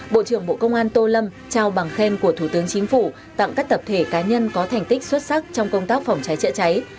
bộ trưởng bộ công an tô lâm trao bằng khen của thủ tướng chính phủ tặng các tập thể cá nhân có thành tích xuất sắc trong công tác phòng cháy chữa cháy